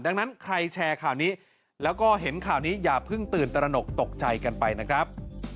ดังนั้นใครแชร์ข่าวนี้แล้วก็เห็นข่าวนี้อย่าเพิ่งตื่นตระหนกตกใจกันไปนะครับ